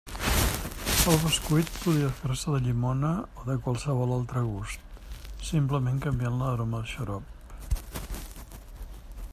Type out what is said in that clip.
El bescuit podia fer-se de llimona o de qualsevol altre gust, simplement canviant l'aroma del xarop.